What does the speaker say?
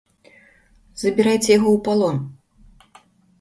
Забірайце яго ў палон!